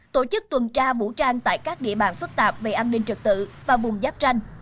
tổ chức tuần tra vũ trang tại các địa bàn phức tạp về an ninh trật tự và vùng giáp tranh